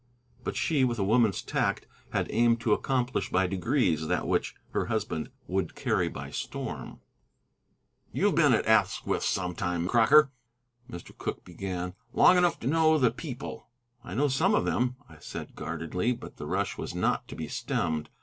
But she, with a woman's tact, had aimed to accomplish by degrees that which her husband would carry by storm. "You've been at Asquith sometime, Crocker," Mr. Cooke began, "long enough to know the people." "I know some of them," I said guardedly. But the rush was not to be stemmed.